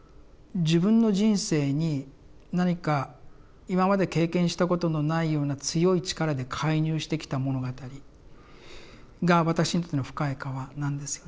自分の人生に何か今まで経験したことのないような強い力で介入してきた物語が私にとっての「深い河」なんですよね。